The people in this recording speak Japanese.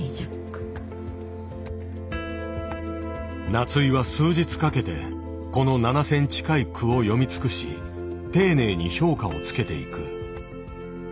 夏井は数日かけてこの７，０００近い句を読み尽くし丁寧に評価をつけていく。